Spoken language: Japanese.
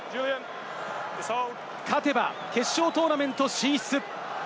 勝てば決勝トーナメント進出。